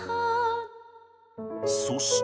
そして